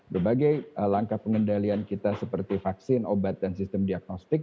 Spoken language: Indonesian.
berbagai langkah pengendalian kita seperti vaksin obat dan sistem diagnostik